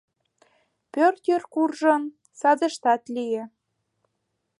Пӧрт йыр куржын, садыштат лие.